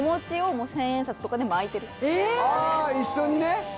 あ一緒にね。